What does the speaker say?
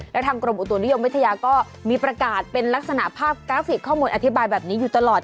แล้วทางกรมอุตุนิยมวิทยาก็มีประกาศเป็นลักษณะภาพกราฟิกข้อมูลอธิบายแบบนี้อยู่ตลอด